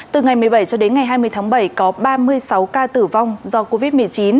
từ ngày một mươi bảy cho đến ngày hai mươi tháng bảy có ba mươi sáu ca tử vong do covid một mươi chín